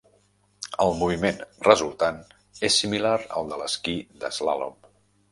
El moviment resultant és similar al de l'esquí d'eslàlom.